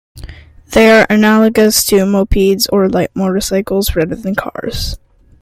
They are analogous to mopeds or light motorcycles rather than cars.